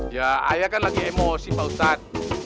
ya ayah kan lagi emosi pak ustadz